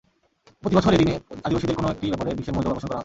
প্রতিবছর এদিনে আদিবাসীদের কোনো একটি ব্যাপারে বিশ্বের মনোযোগ আকর্ষণ করা হয়।